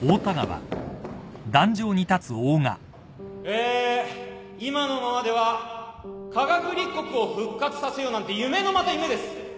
えー今のままでは科学立国を復活させようなんて夢のまた夢です。